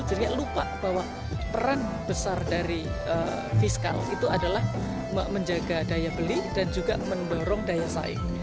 jadi lupa bahwa peran besar dari fiskal itu adalah menjaga daya beli dan juga mendorong daya saing